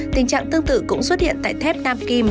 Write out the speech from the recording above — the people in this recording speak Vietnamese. tình trạng tương tự cũng xuất hiện tại thép nam kim